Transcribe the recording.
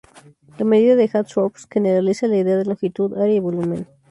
La medida de Hausdorff generaliza la idea de longitud, área y volumen.